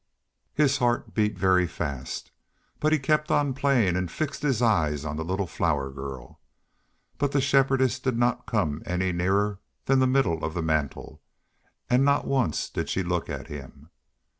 His heart beat very fast, but he kept on playing and fixed his eyes on the little Flower Girl. But the Shepherdess did not come any nearer than the middle of the mantel, and not once did she look at him.